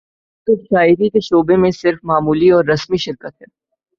یوں تو شاعری کے شعبے میں صرف معمولی اور رسمی شرکت ہے